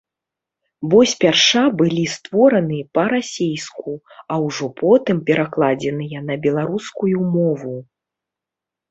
Бо спярша былі створаны па-расейску, а ўжо потым перакладзеныя на беларускую мову.